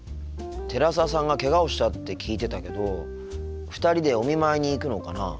寺澤さんがけがをしたって聞いてたけど２人でお見舞いに行くのかなあ。